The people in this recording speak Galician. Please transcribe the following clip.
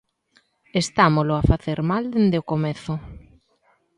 Estámolo a facer mal dende o comezo.